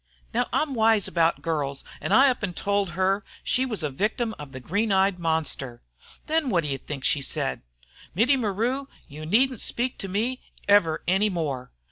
Now, I'm wise 'bout girls, an' I up an' tol' her she was a victim of the green eyed monster. Then wot you think she said? 'Mittie Maru, you needn't speak to me ever any more.'